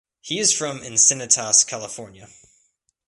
He is from Encinitas, California.